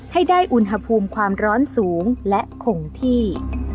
ให้ได้อุณหภูมิความร้อนสูงและคงที่